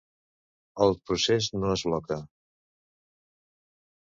El procés no es bloca.